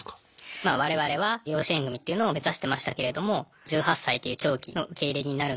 まあ我々は養子縁組っていうのを目指してましたけれども１８歳という長期の受け入れになるので。